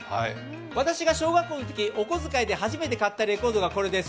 私が小学校のときお小遣いで初めて買ったレコードがこれです。